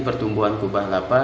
pertumbuhan kubah lava